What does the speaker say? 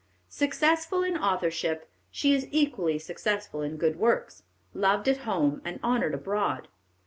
Successful in authorship, she is equally successful in good works; loved at home and honored abroad.